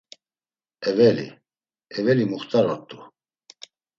Eveli, eveli muxt̆arort̆u.